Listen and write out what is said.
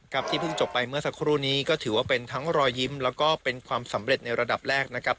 ที่เพิ่งจบไปเมื่อสักครู่นี้ก็ถือว่าเป็นทั้งรอยยิ้มแล้วก็เป็นความสำเร็จในระดับแรกนะครับ